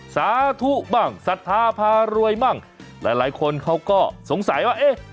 สาธุบ้างศรัทธาพารวยบ้างหลายหลายคนเขาก็สงสัยว่าเอ๊ะ